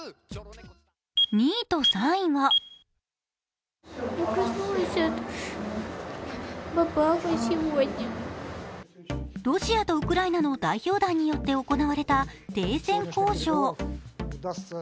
２位と３位は、ロシアとウクライナの代表団によって行われた停戦交渉。